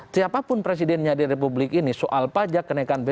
siapapun presidennya di republik ini soal pajak kenaikan bbm